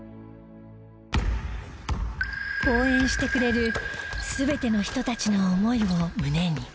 応援してくれる全ての人たちの思いを胸に。